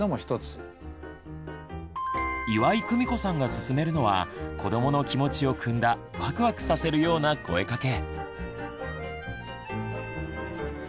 岩井久美子さんがすすめるのは子どもの気持ちをくんだワクワクさせるような声かけ。